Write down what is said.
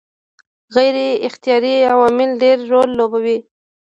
غیر اختیاري عوامل ډېر رول لوبوي.